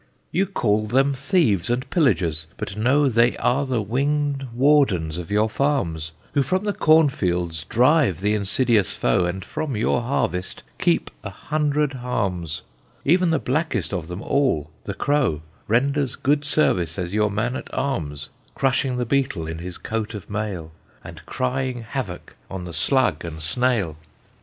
"You call them thieves and pillagers; but know They are the winged wardens of your farms, Who from the cornfields drive the insidious foe, And from your harvests keep a hundred harms; Even the blackest of them all, the crow, Renders good service as your man at arms, Crushing the beetle in his coat of mail, And crying havoc on the slug and snail.